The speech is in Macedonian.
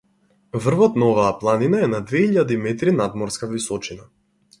Врвот на оваа планина е на две илјади метри надморска височина.